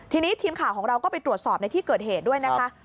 ทีนี้ทีมข่าวของเราก็ไปตรวจสอบในที่เกิดเหตุด้วยนะคะ